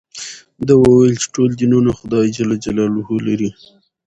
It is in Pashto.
ده وویل چې ټول دینونه خدای لري.